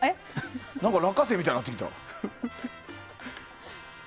落花生みたいになってきた。